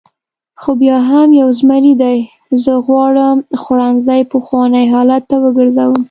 خو بیا هم یو زمري دی، زه غواړم خوړنځای پخواني حالت ته وګرځوم.